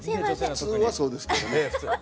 普通はそうですけどね。